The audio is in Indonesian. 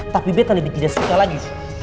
tapi beta lebih tidak suka lagi